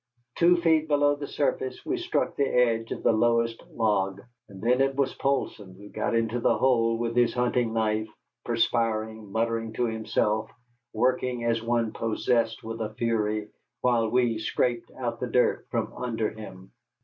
Two feet below the surface we struck the edge of the lowest log, and then it was Poulsson who got into the hole with his hunting knife perspiring, muttering to himself, working as one possessed with a fury, while we scraped out the dirt from under him.